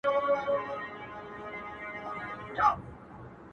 سپوږمۍ ته گوره زه پر بام ولاړه يمه؛